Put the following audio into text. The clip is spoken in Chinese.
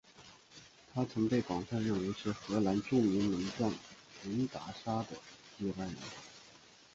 他曾被广泛认为是荷兰著名门将云达沙的接班人。